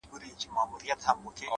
o راته شعرونه ښكاري؛